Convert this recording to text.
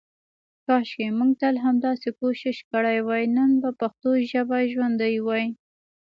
کاشکې مونږ تل همداسې کوشش کړی وای نن به پښتو ژابه ژوندی وی.